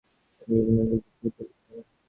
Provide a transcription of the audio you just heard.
তিনি বিভিন্ন উল্লেখযোগ্য পত্রিকায় লিখতেন।